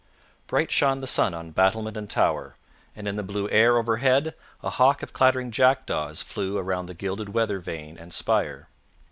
Bright shone the sun on battlement and tower, and in the blue air overhead a Hock of clattering jackdaws flew around the gilded weather vane and spire.